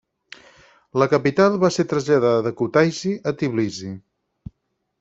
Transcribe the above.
La capital va ser traslladada de Kutaisi a Tbilissi.